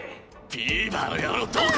ビーバーの野郎どこ。